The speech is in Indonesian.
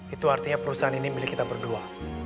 itu artinya perusahaan ini milik kita berdua